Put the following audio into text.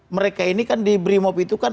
mereka ini kan di brimop itu kan